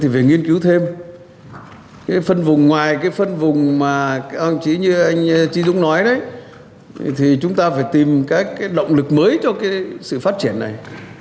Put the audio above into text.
về nghiên cứu thêm phân vùng ngoài phân vùng mà anh chí dũng nói chúng ta phải tìm động lực mới cho sự phát triển này